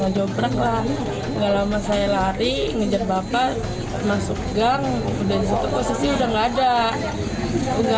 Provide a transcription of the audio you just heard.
ngejobrak lah nggak lama saya lari ngejar bapak masuk gang dan situ posisi udah nggak ada nggak